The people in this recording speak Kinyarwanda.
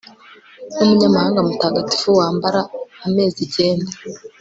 Numunyamahanga mutagatifu wambara amezi icyenda